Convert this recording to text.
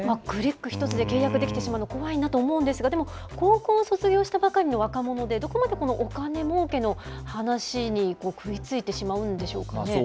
クリック一つで契約できてしまうの、怖いなと思うんですが、でも、高校を卒業したばかりの若者で、どこまで、このお金儲けの話に食いついてしまうんでしょうかね。